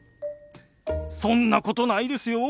そんなことないですよ。